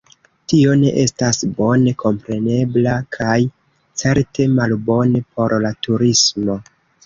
Tio ne estas bone komprenebla kaj certe malbone por la turismo.